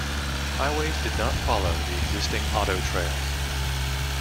Highways did not follow the existing auto trails.